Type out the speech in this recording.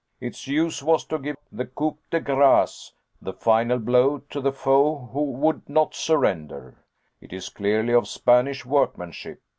Its use was to give the coup de grace, the final blow, to the foe who would not surrender. It is clearly of Spanish workmanship.